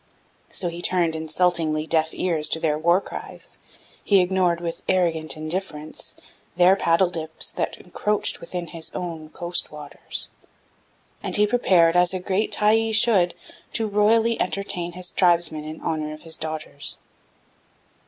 So he turned insultingly deaf ears to their war cries; he ignored with arrogant indifference their paddle dips that encroached within his own coast waters, and he prepared, as a great Tyee should, to royally entertain his tribesmen in honor of his daughters.